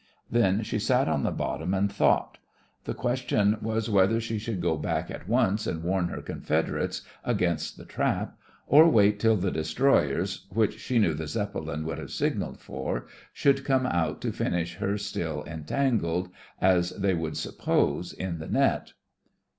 Then she sat on the bottom and thought. The question was whether she should go back at once and warn her confederates against the trap, or wait till the destroyers which she knew the Zep pelin would have signalled for, should come out to finish her still entangled, as they would suppose, in the net.